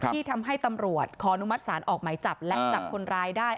ที่ทำให้ตำรวจขออนุมัติศาลออกหมายจับและจับคนร้ายได้